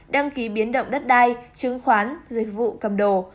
đăng ký biến động đất đai chứng khoán dịch vụ cầm đồ